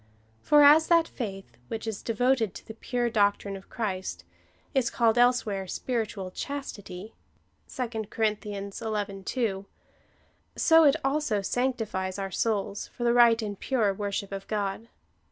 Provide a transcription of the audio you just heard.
For as that faith, which is devoted to the pure doc trine of Christ, is called elsewhere spiritual chastity, (2 Cor. xi. 2,) so it also sanctifies our souls for the right and pure worship of God.